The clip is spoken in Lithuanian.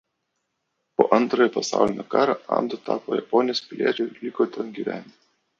Po Antrojo pasaulinio karo Ando tapo Japonijos piliečiu ir liko ten gyventi.